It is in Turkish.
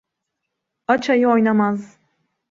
Aç ayı oynamaz.